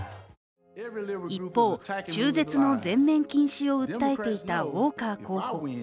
一方、中絶の全面禁止を訴えていたウォーカー候補。